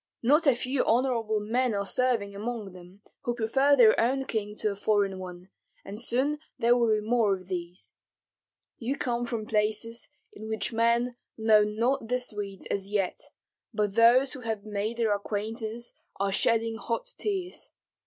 Not a few honorable men are serving among them, who prefer their own king to a foreign one, and soon there will be more of these. You come from places in which men know not the Swedes as yet, but those who have made their acquaintance are shedding hot tears.